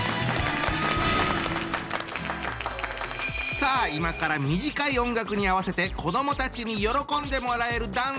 さあ今から短い音楽に合わせて子どもたちに喜んでもらえるダンスを披露していただきます。